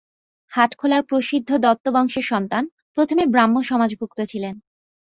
হাটখোলার প্রসিদ্ধ দত্তবংশের সন্তান, প্রথমে ব্রাহ্মসমাজভুক্ত ছিলেন।